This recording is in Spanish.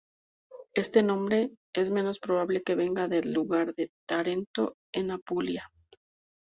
Este nombre es menos probable que venga del lugar de Tarento en Apulia.